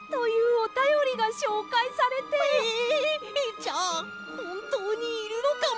じゃあほんとうにいるのかも！